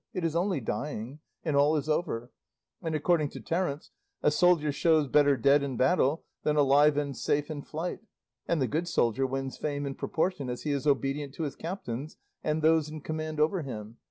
It is only dying, and all is over; and according to Terence, a soldier shows better dead in battle, than alive and safe in flight; and the good soldier wins fame in proportion as he is obedient to his captains and those in command over him.